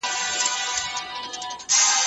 یووالی مو ځواک دی.